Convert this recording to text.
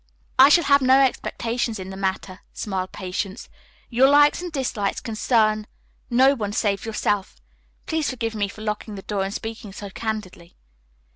"I shall have no expectations in the matter," smiled Patience. "Your likes and dislikes concern no one save yourself. Please forgive me for locking the door and speaking so candidly."